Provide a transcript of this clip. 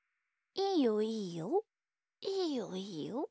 いいよいいよ。